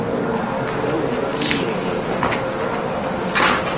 Luùŋga li nò ànànà.